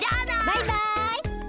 バイバイ！